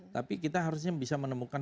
tapi kita harusnya bisa menemukan